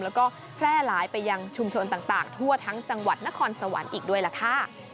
แล้วก็แพร่หลายไปยังชุมชนต่างทั่วทั้งจังหวัดนครสวรรค์อีกด้วยล่ะค่ะ